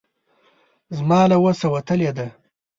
زما له وسه وتلې ده.